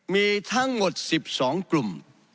มีทั้งหมด๑๒กลุ่ม